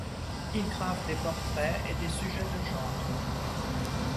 Il grave des portraits et des sujets de genre.